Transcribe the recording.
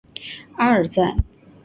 阿尔赞。